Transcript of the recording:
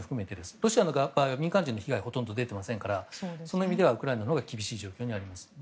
ロシアの場合は民間人の被害はほとんど出ていませんからその意味ではウクライナのほうが厳しい状況にあります。